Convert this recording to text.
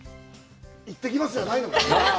行ってきますじゃないの？